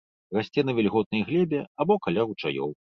Расце на вільготнай глебе або каля ручаёў.